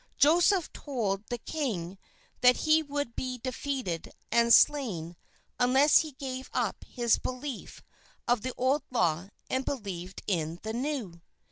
Joseph told the king that he would be defeated and slain unless he gave up his belief of the old law and believed in the new.